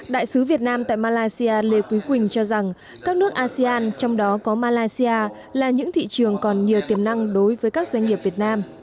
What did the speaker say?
đại sứ việt nam tại malaysia lê quý quỳnh cho rằng các nước asean trong đó có malaysia là những thị trường còn nhiều tiềm năng đối với các doanh nghiệp việt nam